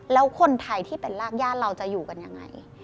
แล้วคนไทยที่เป็นรากญาติเราจะอยู่กันยังไง